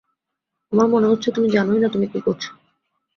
আমার মনে হচ্ছে তুমি জানোই না তুমি কি করছ?